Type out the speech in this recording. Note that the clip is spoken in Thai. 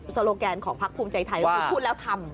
สโลแกนของพลักฯภูมิใจไทยพูดแล้วทำ